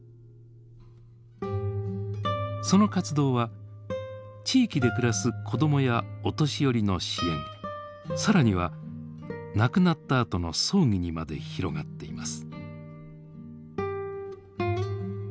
その活動は地域で暮らす子どもやお年寄りの支援更には亡くなったあとの葬儀にまで広がっています。